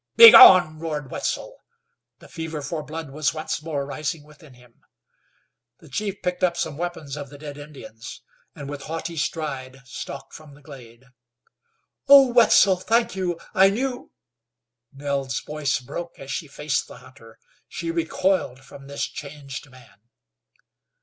"Begone!" roared Wetzel. The fever for blood was once more rising within him. The chief picked up some weapons of the dead Indians, and with haughty stride stalked from the glade. "Oh, Wetzel, thank you, I knew " Nell's voice broke as she faced the hunter. She recoiled from this changed man.